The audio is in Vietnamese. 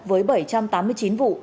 với bảy trăm tám mươi chín vụ